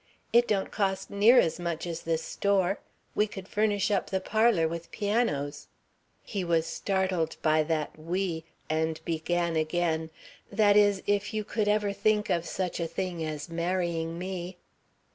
"It don't cost near as much as this store. We could furnish up the parlour with pianos " He was startled by that "we," and began again: "That is, if you could ever think of such a thing as marrying me."